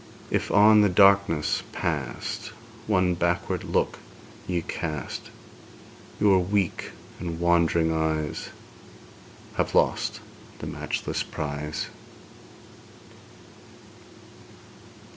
If on the darkness past One backward look ye cast, Your weak and wandering eyes Have lost the matchless prize.